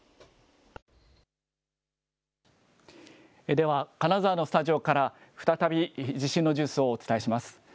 では、金沢のスタジオから再び地震のニュースをお伝えします。